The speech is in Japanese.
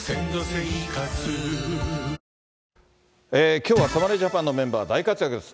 きょうは侍ジャパンのメンバー大活躍です。